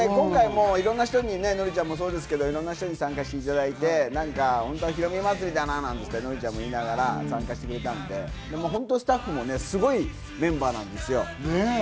ノリちゃんもそうですけど、いろんな人に参加していただいて、本当はヒロミ祭りだ！なんてノリちゃんも言いながら参加してくれたので、本当、スタッフもすごいメンバーなんですよ。